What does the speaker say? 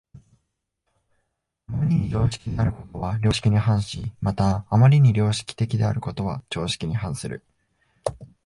余りに常識的であることは良識に反し、また余りに良識的であることは常識に反する。